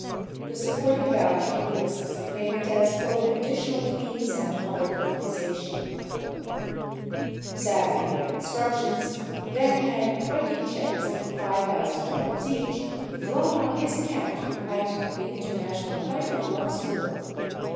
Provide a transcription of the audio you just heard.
The supporting voucher lists the payment as "additional fees and other compensation." Savy, per instructions, then had 20 checks of $5,000 each drawn on his account at the International Bank of Luxembourg.